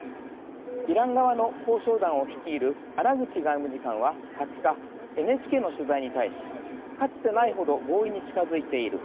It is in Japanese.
イラン側の交渉団を率いるアラグチ外務次官は、２０日ＮＨＫの取材に対し「かつてないほど合意に近づいている。